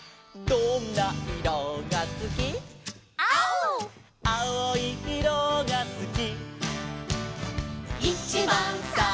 「どんないろがすき」「きいろ」「きいろいいろがすき」